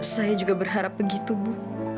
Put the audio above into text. saya juga berharap begitu bu